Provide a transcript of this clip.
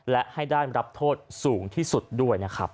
และให้ได้รับโทษสูงที่สุดด้วยนะครับ